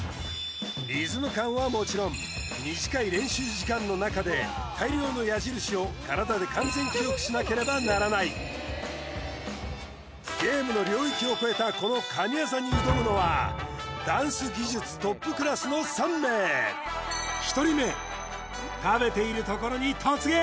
リズム感はもちろん短い練習時間の中で大量の矢印を体で完全記憶しなければならないゲームの領域を超えたこの神業に挑むのは食べているところに突撃！